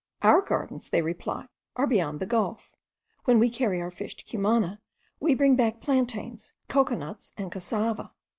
Our gardens, they reply, are beyond the gulf; when we carry our fish to Cumana, we bring back plantains, cocoa nuts, and cassava.